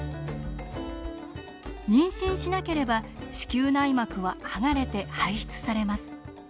妊娠しなければ子宮内膜は剥がれて排出されます。